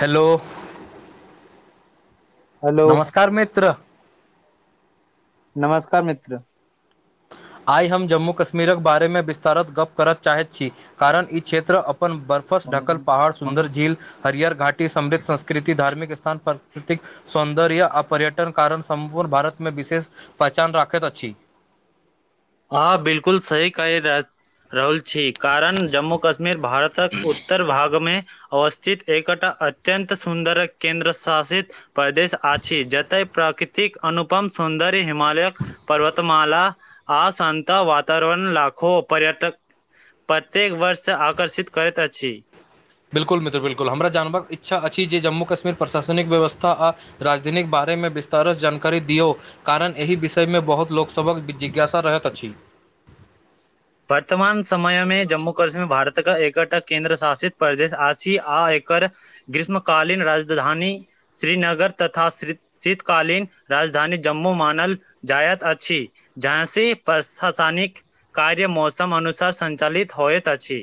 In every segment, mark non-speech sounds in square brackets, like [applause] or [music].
Hello hello नमस्कार मित्र नमस्कार मित्र आइ हम जम्मू कश्मीरक बारे मे विस्तारत गप्प करय चाहैत छी कारण ई क्षेत्र अपन अपन बर्फस ढकल पहाड़ सुंदर झील हरियर घाटी समृद्ध संस्कृति धार्मिक स् स्थान प्राकृतिक सौन्दर्य आ पर्यटन कारण सम्पूर्ण भारत मे विशेष पहचान राखैत अछि [unintelligible] हँ बिलकुल सही कहै र रहुल छी कारण जम्मू कश्मीर भारतक उत्तर भाग मे अवस्थित एकटा अत्यत सुन्दरक केन्द्र शासित प्रदेश आछि जतय प्राकृतिक अनुपम सौन्दर्य हिमालयक पर्वतमाला आ शानता वातावरण लाखो पर्यटक प्रत्येक वर्ष सँ आकर्षित करैत अछि बिल्कुल मित्र बिल्कुल हमरा जानबाक इच्छा अछि जे जम्मू कश्मीर प्रशासनिक व्यवस्था आ राजधनिक बा बारेमे विस्तारसँ जानकारी दियौ कारण एहि विषय मे बहुत लोकसभक जिज्ञासा रहैत अछि [inaudible] वर्तमान समय मे जम्मू कश्मीर भारतक एकटा केंन्द्र शासित प्रदेश आ सी आ एक कर ग्रीष्मकालीन राजधानी श्रीनगर तथा श्री शितकालीन रा राजधानी जम्मू मानल जायत अछि जहां से प्रशासनिक कार्य मौसम अनुसार सञ्चालित होइत अछि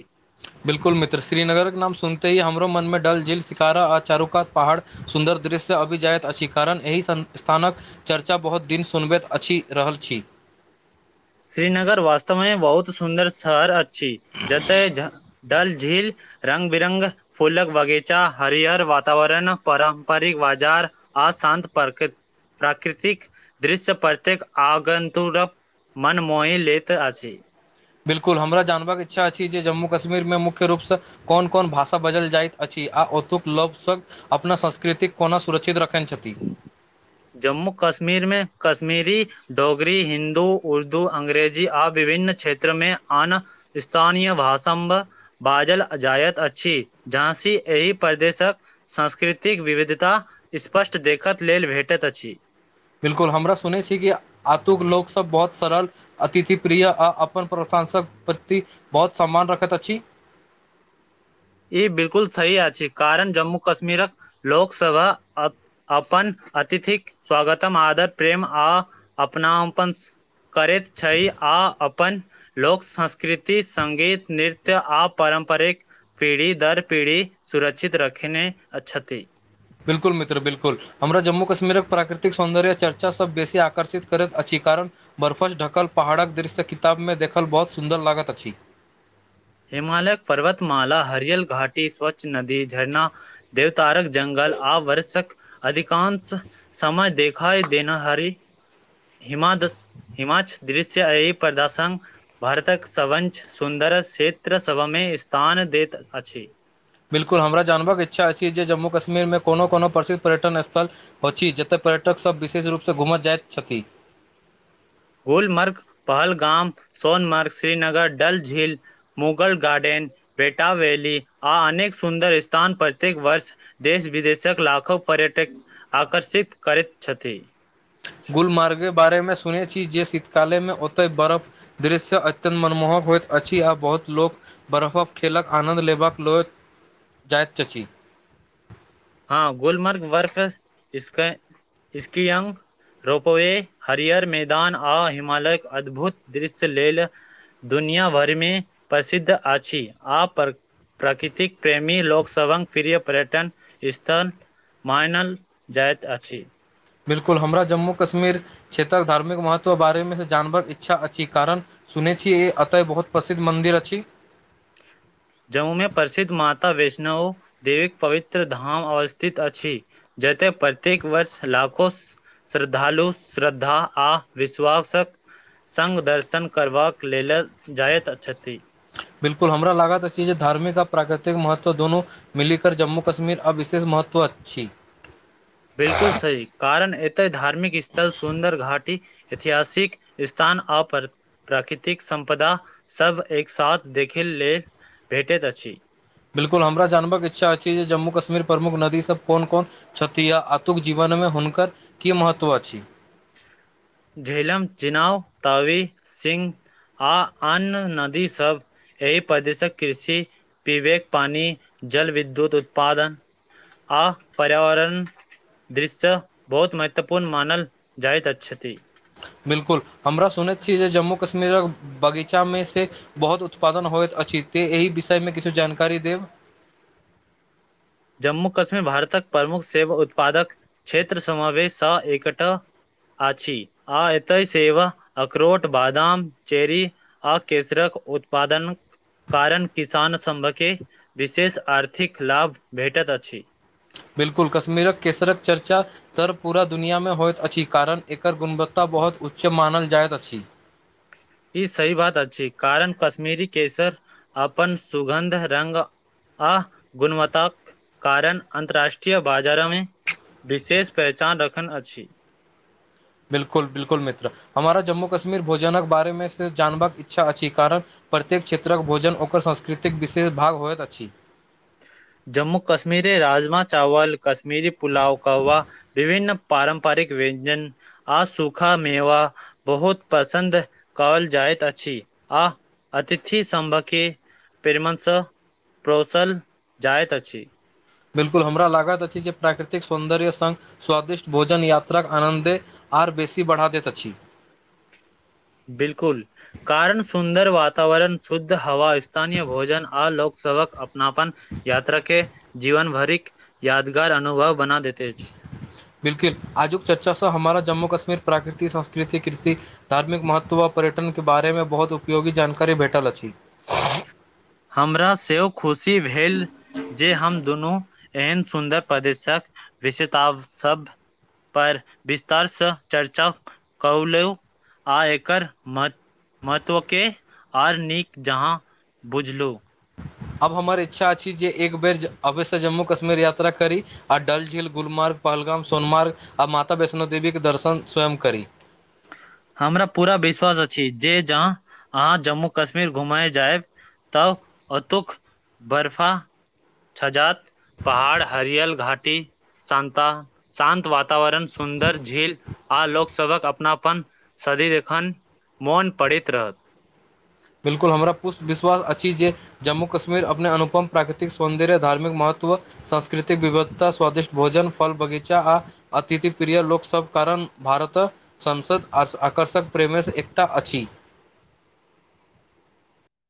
बिल्कुल मित्र श्रीनगर के नाम सुनते ह हमरो मन मे डल झील शिकारा आ चारुकात पहाड़ सुन्दर दृश्य आबि जाइत अछि कारण एहि सब स्थानक चर्चा बहुत दिन सुनबैत अछि रहल छी [inaudible] श्रीनगर वास्तव मे बहुत सुन्दर शहर अछि जतय डल झील रंग बिरंग फुलक बगीचा हरिहर वातावरण पारम्परिक बाजार आशान्त परक प्राकृतिक दृश्य प्रत्येक आगन्तुरप मनमोहि लैत अछि बिल्कुल हमरा जानबाक इच्छा अछि जे जम्मू कश्मीर मे मुख्य रूप सँ कोन कोन भाषा बजल जाइत अछि ई आ ओतुक लवसँ अपना संस्कृतिक कोना सुरक्षित रखने छथि जम्मू कश्मीर मे कश्मीरी डोगरी हिन्दू उर्दू अंग्रेजी आ विभिन्न क्षेत्र मे अन स्थानीय भासंभ बाजल जायत अछि जहाँ सी एहि प्रदेशक सांस्कृतिक विविधता स्पष्ट देखक लेल भेट त अछि बिलकुल हमरा सुने छी कि आतुक लोक सब बहुत सरल अतिथि प्रिय आ अपन प्रो्थ सांसक प्रति बहुत सम्मान रखैत अछि ई बिल्कुल सही अछि कारण जम्मू कश्मीरक लोकसभा अ अपन अतिथिक स्वागतम आदर प्रेम आ अपनापन करैत छै आ अपन लोक संस्कृति संगीत नृत्य आ परम्प पारम्परिक पीढ़ी दर पीढ़ी सुरक्षित रखने अ छथि बिल्कुल मित्र बिल्कुल हमरा जम्मू कश्मीरक प्राकृिक सौन्दर्य चर्चासब बेसी आकर्षित करैत अछि कारण बर्फच ढकल पहाड़क दृश्य किताब मे देखल बहुत सुन्दर लागैत अछि हिमालयक पर्वतमाला हरियल घाटी स्वच्छ नदी झरना देवतारक जंगल आवर्ष्यक अधिकांश समय देखई देना हारी हिमादस हिमाच दृश्य अ पदर्शक भारतक सवंच सुन्दर सुन्दर क्षेत्र सभा मे स्थान दैत अछि बिल्कुल हमरा जानबक इच्छा अछि जे जम्मू कश्मीर मे कोनो कोनो प्रसिद्ध पर्यटन स्थल अछि जतय पर्यटक सब विशेष रूप सँ घूमऽ जाइत छथि गोलमर्ग पहलगाम सोनमर्ग श्रीनगर डल झील मुगल गार्डेन बेटा वैली आ अनेक सुन्दर स्थान प्रत्येक वर्ष देश विदेशक लाखो पर्यटक आकर्षित करैत छथि गुलमर्ग बारेमे सुनने छी जे शीतकालेमे ओतय बर्फ दृश्य अत्यंत मनमोहक होइत अछि आ बहुत लोक बरफक खेलक आनन्द लेबाक लेल जायत चाची हाँ गुलमर्ग बर्फ इस इसक्यक रोपवे हरियर मैदान आ हिमालयक अद्भुत दृश्य लेल दुनिया भरमे प्रसिद्ध अछि आ पर प्राकृतिक प्रेमी लोकोकसव् प्रिय पर्यटन इस्तान मायनाल जायइत अछी बिल्कुल हमरा जम्मू कश्मीर क्षेत्रक धार्मिक महत्व बारेमे जानबर इच्छा अछि कारण सुनै छी ई एतय बहुत प्रसिद्ध मन्दिर अछि नओ देवीक पवित्र धाम अवस्थित अछि जतेक प्रत्येक वर्ष लाखो स श्रद्धालु श्रद्धा आ विश्वासक संग दर्शन करबाक लेल जाइत छती बिल्कुल हमरा लागत अछि जे धार्मिक आ प्राकृतिक महत्व दुनू मिलीर जम्मू कश्मीर अब विशेष महत्व अछि बिल्कुल सही कारण एते धार्मिक स्थल सुन्दर घाटी ऐतिहासिक स्थान आ प्राकृतिक संपदा सब एक साथ देखे लेल भेटैत अछि बिल्कुल हमरा जानबाक इच्छा अछि जे जम्मू कश्मीर प्रमुख नदी सब कोन कोन छथि या आतुक जीवनमे हुनकर की महत्व अछि [inaudible] झेलम चुनाव तवी सिंह आ अन्य नदी सब एहि प्रदेशक कृषि विवेक पानी जल विद्युत उत्पादन आ पर्यावरण दृश्य बहुत महत्वपूर्ण मानल जाइत अछति बिल्कुल हमरा सुनैत छी जे जम्मू कश्मीरक बगीचा मे से बहुत उत्पादन होइत अछि त एहि विषयमे किछु जानकारी देब। जम्मू कश्मीर भारतक प्रमुख सेैव उत्पादक क्षेत्र समावेश स एकटा आछि आ एतय सेव अखरोट बादाम चेरी आ केसरक उत्पादन कारण किसान सभके विशेष आर्थिक लाभ भेटत अछि। बिल्कुल कश्मीरक केसरक चर्चा तर पूरा दुनियामे होइत अछि कारण एकर गुणवत्ता बहुत उच्च मानल जाइत अछि ई सही बात अछि कारण कश्मीरी केसर अपन सुगन्ध रंग आ गुणवत्ताकाक कारण अन्तर्राष्ट्रीय बाजारामे विशेष पहचान रखन अछि बिल्कुल बिल्कुल मित्र हमरा जम्मू कश्मीर भोजनक बारेमे से जानबाक इच्छा अछि कारण प्रत्येक क्षेत्रक भोजन ओकर संस्कृतिक विशेष भाग होइत अछि जम्मू कश्मीरे राजमा चावल कश्मीरी पुलाव कवा विभिन्न पारम्परिक व्यञ्जन आ सूखा मेवा बहुत पसन्द कहल जाइत अछि आ अतिथि संभके प्रेमंसे प्रौसल जाएत अछि बिल्कुल हमरा लागत अछि जे प्राकृतिक सौन्दर्य संग स्वादिष्ट भोजन यात्राक आनन्दे आर बेसी बढ़ा दैत अछि बिल्कुल कारण सुन्दर वातावरण शुद्ध हवा स्थानीय भोजन आ लोक सबक अपनापन यात्रा के जीवन भरिक यादगार अनुभव बना देैते अछि बिल्किल आजुक चर्चा स हमारा जम्मू कश्मीर प्राकृतिक संस्कृति कृषि धार्मिक महत्व व पर्यटन के बारे में बहुत उपयोगी जानकारी भेटल अछि हमरा सेहो खुशी भेल जे हम दुनू एहन सुन्दर प्रदेशक विषता शब्द पर विस्तारसे चर्चा कौलू आ एकर म महत्व के आर नीक जहाँ बुझलु अब हमर इच्छा अछि जे एक बेर अवैसँ जम्मू कश्मीर यात्रा करी आ डल झील गुलमार्ग पहलगाम सोनमार्ग आ माता वैष्णो देवी के दर्शन स्वयं करी। हमरा पूरा विश्वास अछि जे जहाँ अहाँ जम्मू कश्मीर घुमय जायब तब अतुक बर्फा छजात। पहाड़ हरियल घाटी शान्ता शान्त वातावरण सुन्दर झील आ लोकसभक अपनापन सदी एखन मोन पड़ैत रहत। बिल्कुल हमरा पुष् विश्वास अछि जे जम्मू कश्मीर अपने अनुपम प्राकृतिक सौन्दर्य धार्मिक महत्व सांस्कृतिक विविधता स्वादिष्ट भोजन फल बगीचा आ अतिथि प्रिय लोकसभ कारण भारत संसद आकर्षक प्रेमेस एकटा अछि।